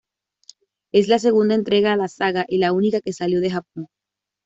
Es la segunda entrega de la saga y la única que salió de Japón.